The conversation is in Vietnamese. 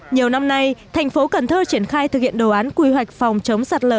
nhiều năm nay thành phố cần thơ triển khai thực hiện đồ án quy hoạch phòng chống sạt lở